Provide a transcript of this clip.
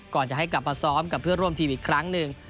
ก่อนจะให้กลับมาซ้อมกับเพื่อนร่วมทีมอีกครั้งหนึ่ง